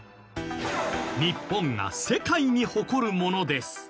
日本が世界に誇るものです。